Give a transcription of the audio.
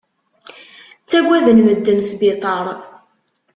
Ttagaden medden sbiṭar.